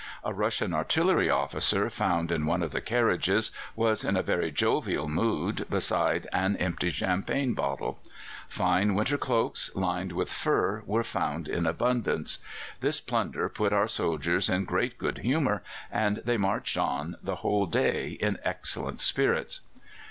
A Russian artillery officer, found in one of the carriages, was in a very jovial mood, beside an empty champagne bottle. Fine winter cloaks, lined with fur, were found in abundance. This plunder put our soldiers in great good humour, and they marched on the whole day in excellent spirits.